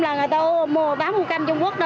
là người ta mua cam trung quốc